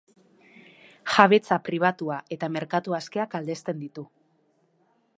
Jabetza pribatua eta merkatu askeak aldezten ditu.